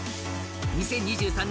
２０２３年